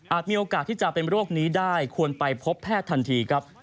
มีโอกาสที่จะเป็นโรคนี้ได้ควรไปพบแพทย์ทันทีครับ